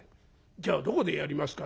『じゃあどこでやりますか？』